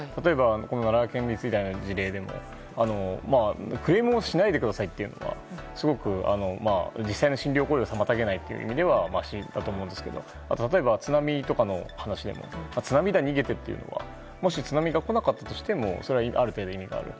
奈良県立医大の事例でもクレームをしないでといってもすごく実際の診療行為を妨げないという意味ではましだと思うんですが例えば津波の話では津波では逃げてというのがもし津波が来なかったとしてもある程度意味がある。